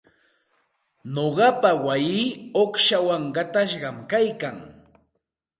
Nuqapa wayii uqshawan qatashqam kaykan.